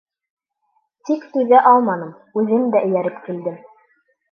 Тик түҙә алманым, үҙем дә эйәреп килдем...